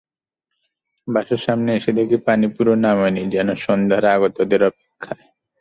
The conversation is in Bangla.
বাসার সামনে এসে দেখি পানি পুরো নামেনি, যেন সন্ধ্যার আগতদের অপেক্ষায়।